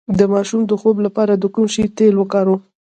د ماشوم د خوب لپاره د کوم شي تېل وکاروم؟